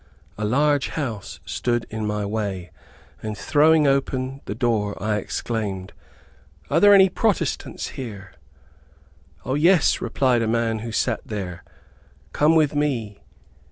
A large house stood in my way, and throwing open the door I exclaimed, "Are there any protestants here?" "O, yes," replied a man who sat there, "come with me."